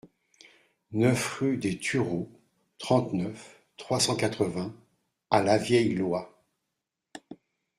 neuf rue des Turots, trente-neuf, trois cent quatre-vingts à La Vieille-Loye